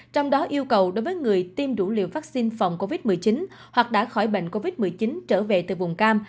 trong đó yêu cầu đối với người tiêm đủ liều vaccine phòng covid một mươi chín hoặc đã khỏi bệnh covid một mươi chín trở về từ vùng cam